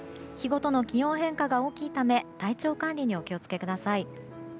日ごとの気温変化が大きいため体調管理にお気を付けください。